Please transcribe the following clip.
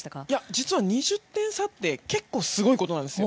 実は２０点差って結構すごいことなんですよ。